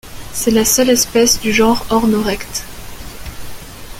C'est la seule espèce du genre Ornorectes.